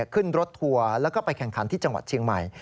ขึ้นรถทัวร์แล้วก็ไปแข่งขันที่จังหวัดเชียงใหม่